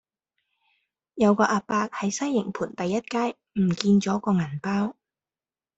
有個亞伯喺西營盤第一街唔見左個銀包